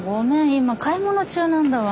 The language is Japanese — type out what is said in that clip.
今買い物中なんだわ。